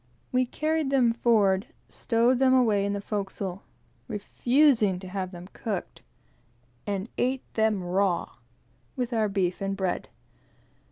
We carried them forward, stowed them away in the forecastle, refusing to have them cooked, and ate them raw, with our beef and bread.